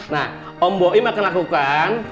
nah om nooyim akan lakukan